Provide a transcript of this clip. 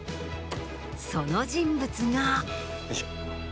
その人物が。